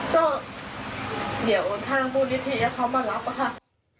ก็เดี๋ยวโทรทางบูริธีให้เขามารับความรักมาก